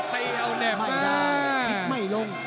ตีเอาเน็บมาก